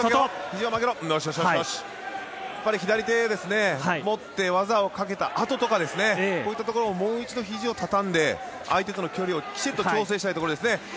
左手を持って技をかけたとかこういったところもう一度ひじを畳んで相手との距離をきちっと調整したいところです。